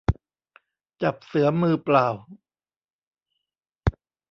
จับเสือมือเปล่า